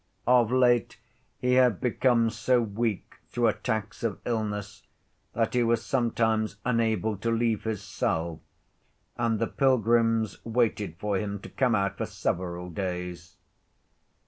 Of late he had become so weak through attacks of illness that he was sometimes unable to leave his cell, and the pilgrims waited for him to come out for several days.